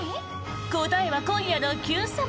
答えは今夜の「Ｑさま！！」